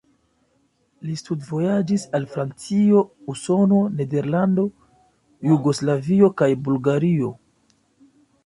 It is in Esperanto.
Li studvojaĝis al Francio, Usono, Nederlando, Jugoslavio kaj Bulgario.